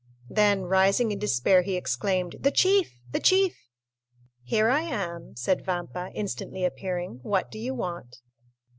Then rising in despair, he exclaimed, "The chief, the chief!" "Here I am," said Vampa, instantly appearing; "what do you want?"